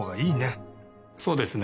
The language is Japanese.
そうですね。